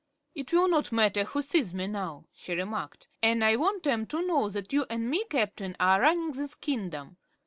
"It won't matter who sees me now," she remarked, "an' I want 'em to know that you an' me, Cap'n, are running this kingdom.